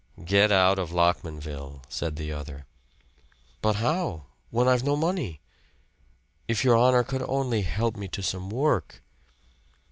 "Get out of Lockmanville," said the other. "But how? When I've no money. If your honor could only help me to some work."